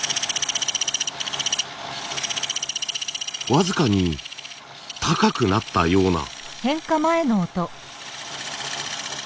僅かに高くなったような。